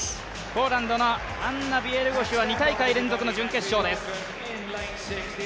ポーランドのアンナ・ビエルゴシュは２大会連続の準決勝です。